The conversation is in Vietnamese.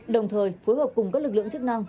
đồng thời phối hợp cùng các lực lượng chức năng